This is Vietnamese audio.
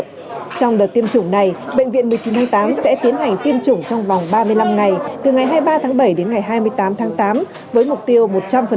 trong đợt tiêm chủng này bệnh viện một mươi chín tháng tám sẽ tiến hành tiêm chủng trong vòng ba mươi năm ngày từ ngày hai mươi ba tháng bảy đến ngày hai mươi tám tháng tám với mục tiêu một trăm linh